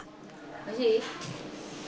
おいしい？